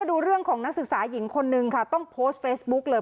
ดูเรื่องของนักศึกษาหญิงคนนึงค่ะต้องโพสต์เฟซบุ๊กเลย